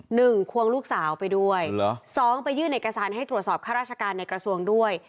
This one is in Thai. ควงลูกสาวไปด้วยเหรอสองไปยื่นเอกสารให้ตรวจสอบข้าราชการในกระทรวงด้วย